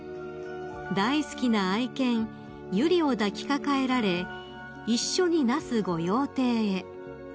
［大好きな愛犬由莉を抱きかかえられ一緒に那須御用邸へ］